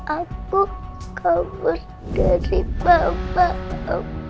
aku kabur dari bapak